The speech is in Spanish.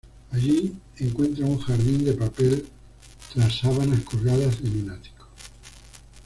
Allí encuentra un jardín de papel tras sábanas colgadas en un ático.